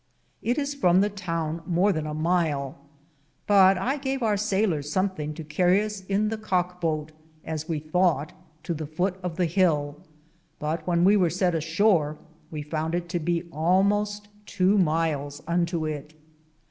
It is from the town more than a myle, but I gave our sayleres somthinge to Carrie us in the coke boote; as we though te to the foute of the hill ; but when we weare sett a shore we found it to be almoste tow myles unto it.